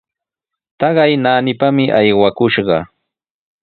Taqay naanipami aywakushqa.